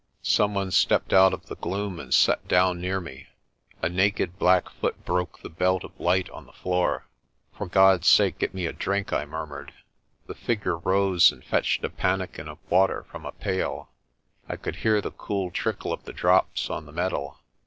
' Some one stepped out of the gloom and sat down near me. A naked black foot broke the belt of light on the floor. "For God's sake get me a drink," I murmured. The figure rose and fetched a pannikin of water from a pail. I could hear the cool trickle of the drops on the metal.